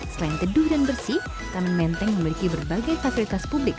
selain teduh dan bersih taman menteng memiliki berbagai fasilitas publik